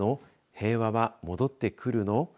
平和は戻ってくるの？